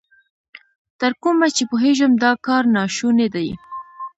تر کومه چې پوهېږم، دا کار نا شونی دی.